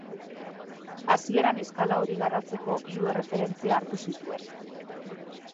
Hasieran eskala hori garatzeko, hiru erreferentzia hartu zituen.